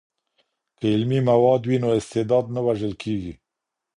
که علمي مواد وي نو استعداد نه وژل کیږي.